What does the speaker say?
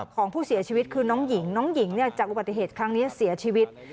ของผู้เสียชีวิตคือน้องหญิงน้องหญิงจากอุบัติเหตุครั้งนี้เสียชีวิต